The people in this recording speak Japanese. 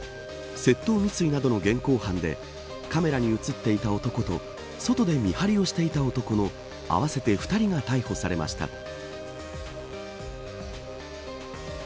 窃盗未遂などの現行犯でカメラに映っていた男と外で見張りをしていた男の合わせて２人が逮捕されました。